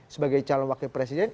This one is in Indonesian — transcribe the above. sebagai calon wakil presiden